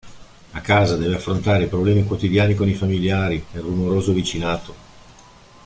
A casa deve affrontare i problemi quotidiani con i familiari e il rumoroso vicinato.